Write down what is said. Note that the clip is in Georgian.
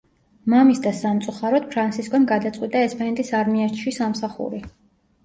მამის და სამწუხაროდ ფრანსისკომ გადაწყვიტა ესპანეთის არმიაში სამსახური.